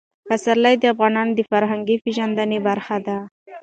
پسرلی د افغانانو د فرهنګي پیژندنې برخه ده.